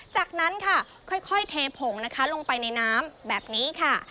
จากนั้นค่ะค่อยเทผงนะคะลงไปในน้ำแบบนี้ค่ะ